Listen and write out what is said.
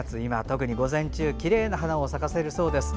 特に午前中きれいな花を咲かせるそうです。